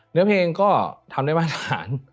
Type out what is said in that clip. เนื้อเพลงก็ทำได้มาตรฐาน